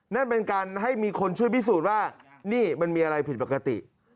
นั่นเป็นการให้มีคนช่วยพิสูจน์ว่านี่มันมีอะไรผิดปกติ